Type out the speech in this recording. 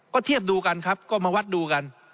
ก็เทียบดูกันครับก็มาวัดดูกัน